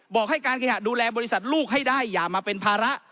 บอกให้การเคหะดูแลบริษัทลูกให้ได้อย่ามาเป็นภาระ